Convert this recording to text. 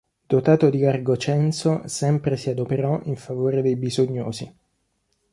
Dotato di largo censo, sempre si adoperò in favore dei bisognosi.